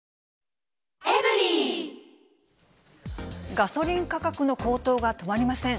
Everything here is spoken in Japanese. ガソリン価格の高騰が止まりません。